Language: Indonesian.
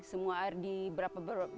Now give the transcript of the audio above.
semua air di berapa berat